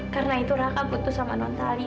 karena itu raka putus sama tuan talita